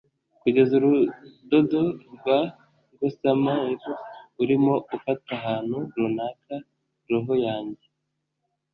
kugeza urudodo rwa gossamer urimo ufata ahantu runaka, roho yanjye